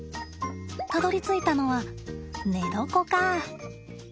たどりついたのは寝床か。